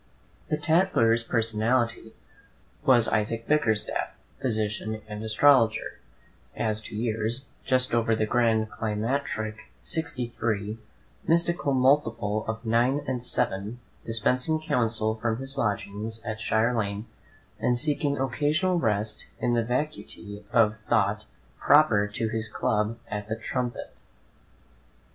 The "Tatler's" personality was Isaac Bickerstaff, Physician and Astrologer; as to years, just over the grand climacteric, sixty three, mystical multiple of nine and seven; dispensing counsel from his lodgings at Shire Lane, and seeking occasional rest in the vacuity of thought proper to his club at the "Trumpet."